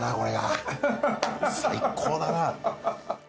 最高だな。